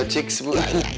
lalu masuk dulu